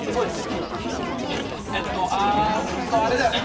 えっえっとあっとあれだよね